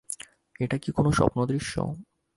এটা কি কোনো স্বপ্নদৃশ্য?